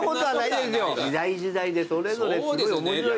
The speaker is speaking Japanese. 時代時代でそれぞれすごい。